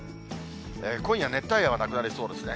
今夜、熱帯夜はなくなりそうですね。